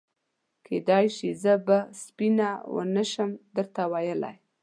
کېدای شي زه به سپینه ونه شم درته ویلای.